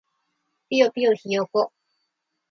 ぴよぴよひよこ